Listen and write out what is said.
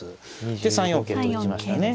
で３四桂と打ちましたね。